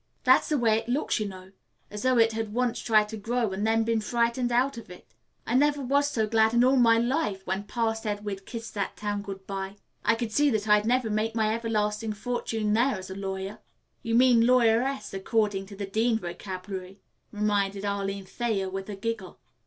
That's the way it looks, you know; as though it had once tried to grow and then been frightened out of it. I never was so glad in all my life as when Pa said we'd kiss that town good bye. I could see that I'd never make my everlasting fortune there as a lawyer." "You mean lawyeress, according to the Dean vocabulary," reminded Arline Thayer with a giggle.